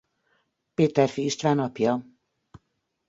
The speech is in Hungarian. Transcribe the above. Péterfi István apja.